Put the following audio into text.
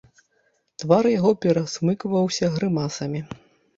Твар яго перасмыкваўся грымасамі.